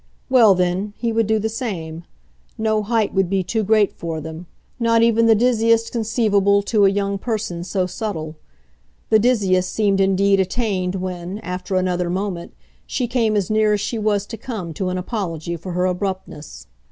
Well then, he would do the same; no height would be too great for them, not even the dizziest conceivable to a young person so subtle. The dizziest seemed indeed attained when, after another moment, she came as near as she was to come to an apology for her abruptness.